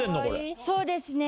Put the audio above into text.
そうですね。